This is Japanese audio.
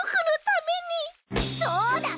そうだ！